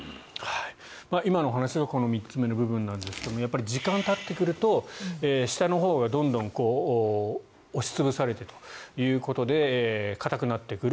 今のお話はこの３つ目の部分なんですが時間がたってくると下のほうがどんどん押し潰されてということで硬くなってくる。